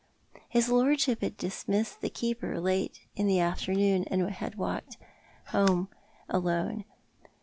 His lordship had dismissed the keeper late in the afternoon, and had walked homewards alone.